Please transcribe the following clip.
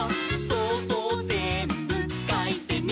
「そうそうぜんぶかいてみよう」